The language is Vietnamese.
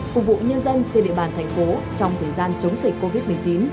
phục vụ nhân dân trên địa bàn thành phố trong thời gian chống dịch covid một mươi chín